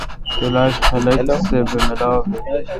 کلاشہ خلق سہ بہ ملاو بیل۔